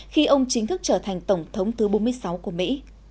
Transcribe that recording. khi ông chính thức trở thành tổng thống thứ bốn mươi sáu của mỹ